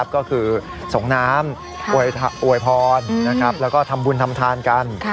ก็คือส่งน้ำอวยพรแล้วก็ทำบุญทำทานกัน